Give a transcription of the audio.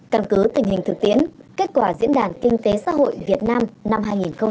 căn cứ tình hình thực tiễn kết quả diễn đàn kinh tế xã hội việt nam năm hai nghìn một mươi chín